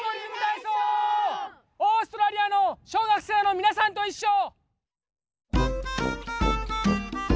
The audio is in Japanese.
オーストラリアの小学生のみなさんといっしょ！